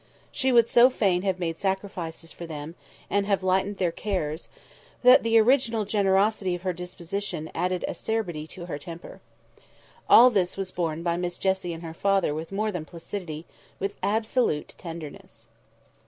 She would so fain have made sacrifices for them, and have lightened their cares, that the original generosity of her disposition added acerbity to her temper. All this was borne by Miss Jessie and her father with more than placidity—with absolute tenderness.